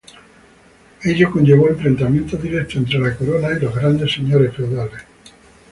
Ello conllevó enfrentamientos directos entre la Corona y los grandes señores feudales.